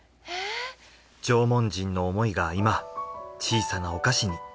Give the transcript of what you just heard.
縄文人の思いが今小さなお菓子に。